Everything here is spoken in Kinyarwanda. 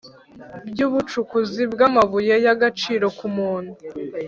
rw ubucukuzi bw amabuye y agaciro ku muntu